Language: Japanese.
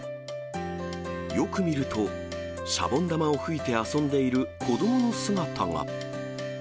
よく見ると、シャボン玉を吹いて遊んでいる子どもの姿が。